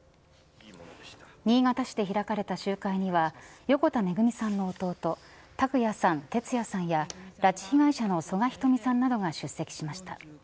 新潟市で開かれた集会には横田めぐみさんの弟拓也さん、哲也さんや拉致被害者の曽我ひとみさんなどが出席しました。